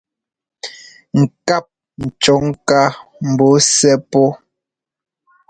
Ŋkáp cɔ̌ ŋká mbɔɔ sɛ́ pɔ́.